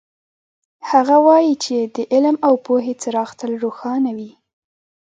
هغه وایي چې د علم او پوهې څراغ تل روښانه وي